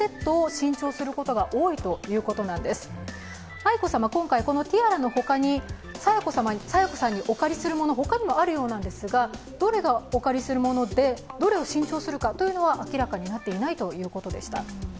愛子さま、今回ティアラの他に清子さんにお借りするものがほかにもあるようなんですが、どれがお借りするものでどれを新調するかというのは明らかになっていないということでした。